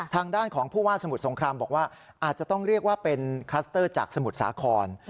ทางด้านของผู้ว่าสมุทรสงครามบอกว่าอาจจะต้องเรียกว่าเป็นคลัสเตอร์จากสมุทรสาคร